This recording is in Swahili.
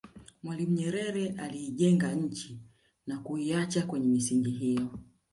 mwalimu nyerere aliijenga nchi na kuiacha kwenye misingi hiyo